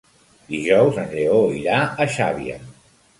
Dijous en Lleó irà a Xàbia.